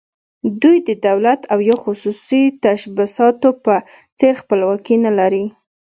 دوی د دولت او یا خصوصي تشبثاتو په څېر خپلواکي نه لري.